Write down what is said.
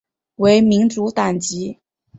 为民主党籍。